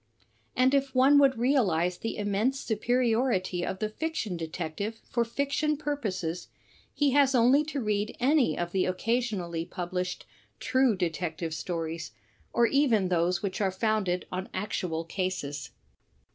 And if one would realize the immense superiority of the fiction detective for fiction purposes he has only to read any of the occasionally published "true detective stories," or even those which are founded on actual cases.